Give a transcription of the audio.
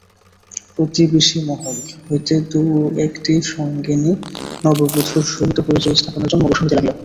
প্রতিবেশীমহল হইতে দুই-একটি সঙ্গিনী নববধূর সহিত পরিচয়স্থাপনের জন্য অগ্রসর হইতে লাগিল।